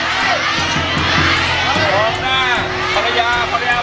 ตรงหน้าภรรยาภรรยาบอก